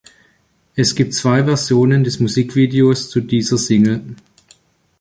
Es gibt zwei Versionen des Musikvideos zu dieser Single.